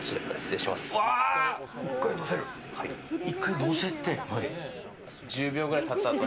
１回のせて。